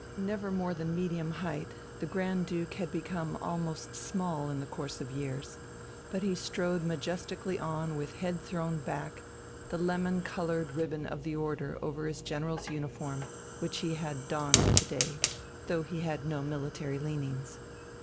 Never of more than medium height, the Grand Duke had become almost small in the course of years, but he strode majestically on with head thrown back, the lemon coloured ribbon of the Order over his general's uniform, which he had donned to day, though he had no military leanings.